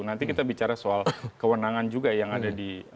nanti kita bicara soal kewenangan juga yang ada di